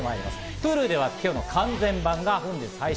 Ｈｕｌｕでは本日の完全版が本日配信。